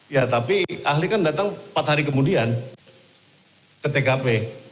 ya tapi ahli kan datang empat hari kemudian ke tkp